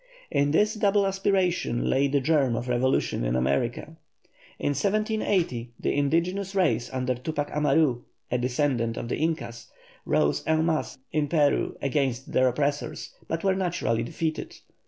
In this double aspiration lay the germ of revolution in America. In 1780 the indigenous race under Tupac Amarú, a descendant of the Incas, rose en masse in Peru against their oppressors, but were naturally defeated.